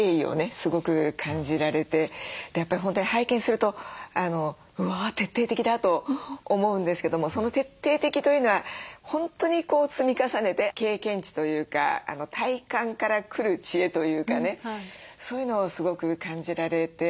すごく感じられてやっぱり本当に拝見するとうわ徹底的だと思うんですけどもその徹底的というのは本当に積み重ねて経験値というか体感から来る知恵というかねそういうのをすごく感じられて。